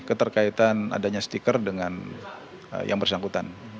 keterkaitan adanya stiker dengan yang bersangkutan